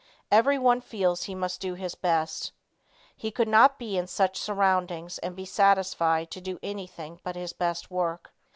Everyone feels he must do his best. He could not be in such surroundings and be satisfied to do anything but his best work.